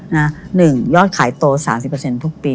นะหนึ่งยอดขายโตสามสิบเปอร์เซ็นต์ทุกปี